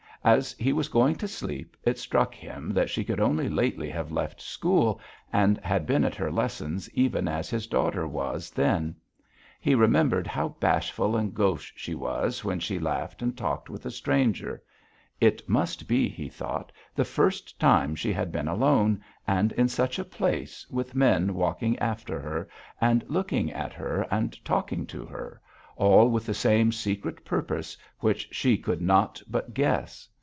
As he was going to sleep, it struck him that she could only lately have left school, and had been at her lessons even as his daughter was then; he remembered how bashful and gauche she was when she laughed and talked with a stranger it must be, he thought, the first time she had been alone, and in such a place with men walking after her and looking at her and talking to her, all with the same secret purpose which she could not but guess.